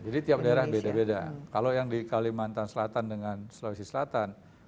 jadi tiap daerah beda beda kalau yang di kalimantan selatan dengan sulawesi selatan